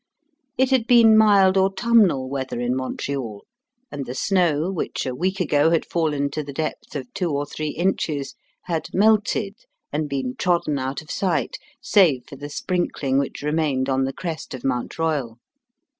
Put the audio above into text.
It had been mild autumnal weather in Montreal, and the snow, which a week ago had fallen to the depth of two or three inches, had melted and been trodden out of sight save for the sprinkling which remained on the crest of Mount Royal.